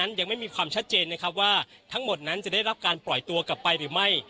ยังไม่มีความชัดเจนนะครับว่าทั้งหมดนั้นจะได้รับการปล่อยตัวกลับไปหรือไม่